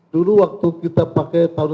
dulu waktu kita pakai tahun sembilan puluh delapan